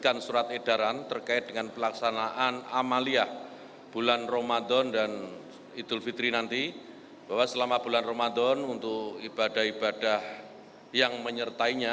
anda ingin menanyakan